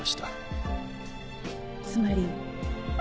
つまり。